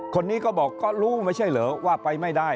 คนนี้ก็บอกก็รู้ไม่ใช่เหรอว่าไปไม่ได้